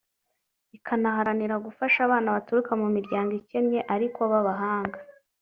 ikanaharanira gufasha abana baturuka mu miryango ikennye ariko b’abahanga